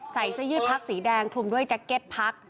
ใส่เสื้อยืดพักสีแดงคลุมด้วยแจ็คเก็ตพัก